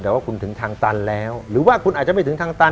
แต่ว่าคุณถึงทางตันแล้วหรือว่าคุณอาจจะไม่ถึงทางตัน